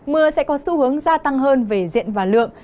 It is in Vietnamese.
mưa sẽ có xu hướng gia tăng hơn về diện và lượng